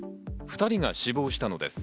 ２人が死亡したのです。